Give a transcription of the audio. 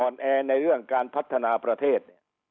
อ่อนแอในเรื่องการพัฒนาประเทศ